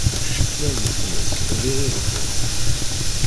Ccetla n tmes d iɣiɣden.